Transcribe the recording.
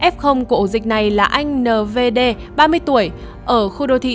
f của ổ dịch này là anh nvd ba mươi tuổi